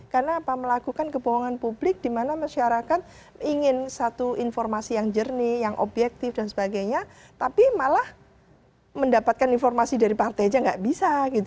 karena melakukan kebohongan publik di mana masyarakat ingin satu informasi yang jernih yang objektif dan sebagainya tapi malah mendapatkan informasi dari partai aja tidak bisa